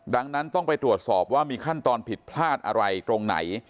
ดังนั้นต้องไปตรวจสอบว่ามีขั้นตอนผิดพลาดอะไรตรงไหน